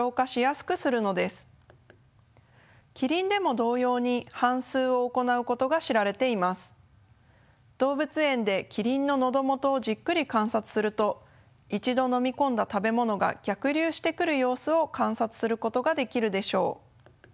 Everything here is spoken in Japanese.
動物園でキリンの喉元をじっくり観察すると一度飲み込んだ食べ物が逆流してくる様子を観察することができるでしょう。